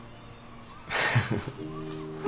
フフフ。